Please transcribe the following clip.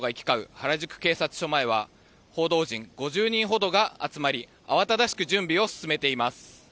原宿警察署前は報道陣５０人ほどが集まり慌ただしく準備を進めています。